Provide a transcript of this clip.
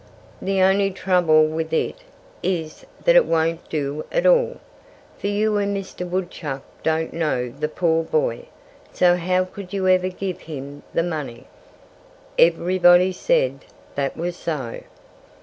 "The only trouble with it is that it won't do at all. For you and Mr. Woodchuck don't know the poor boy. So how could you ever give him the money?" Everybody said that was so.